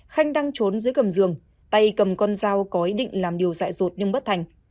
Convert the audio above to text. khanh đang trốn dưới cầm giường tay cầm con dao có ý định làm điều dạy rột nhưng bất thành